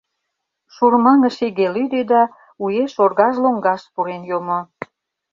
Шурмаҥыш иге лӱдӧ да уэш оргаж лоҥгаш пурен йомо.